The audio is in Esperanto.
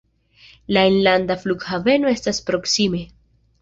La enlanda flughaveno estas proksime.